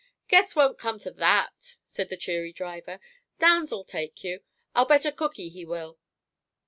"Guess 't won't come to that," said the cheery driver. "Downs'll take you. I'll bet a cookie he will."